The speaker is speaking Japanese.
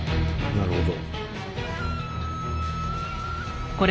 なるほど。